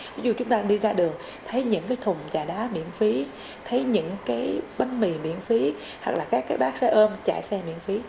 ví dụ chúng ta đi ra đường thấy những thùng trà đá miễn phí thấy những bánh mì miễn phí các bát xe ôm chạy xe miễn phí